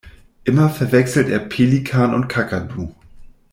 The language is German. Immer verwechselt er Pelikan und Kakadu.